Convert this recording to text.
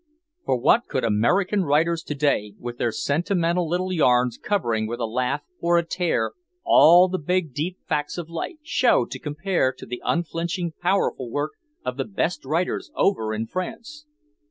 For what could American writers to day, with their sentimental little yarns covering with a laugh or a tear all the big deep facts of life, show to compare to the unflinching powerful work of the best writers over in France?